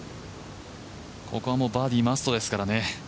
ここはバーディー、マストですからね。